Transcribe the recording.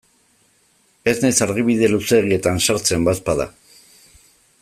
Ez naiz argibide luzeegietan sartzen, badaezpada.